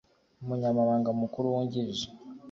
Umunyamabanga Mukuru Wungirije